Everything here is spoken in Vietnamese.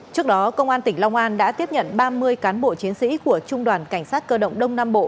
trước đó công an tỉnh long an đã tiếp nhận ba mươi cán bộ chiến sĩ của trung đoàn cảnh sát cơ động đông nam bộ